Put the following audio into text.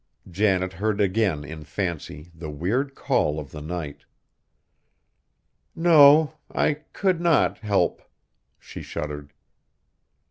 Janet heard again in fancy the weird call of the night. "No; I could not help!" She shuddered.